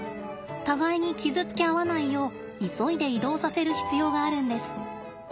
互いに傷つけ合わないよう急いで移動させる必要があるんです。